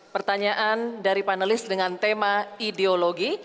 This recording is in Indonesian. pertanyaan dari panelis dengan tema ideologi